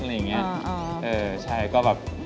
เออเออ